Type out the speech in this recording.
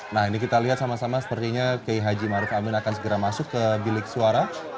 nah ini kita lihat sama sama sepertinya k h maruf amin akan segera masuk ke bilik suara